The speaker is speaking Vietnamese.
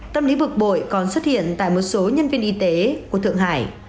tâm lý bực bội còn xuất hiện tại một số nhân viên y tế của thượng hải